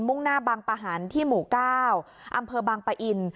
มุ่งหน้าบางปะหันที่หมู่ก้าวอำเพอร์บางปะอิน